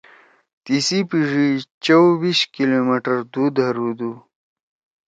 تیسی پیِڙی چؤبیش کلومیٹر دُھو دھردُو۔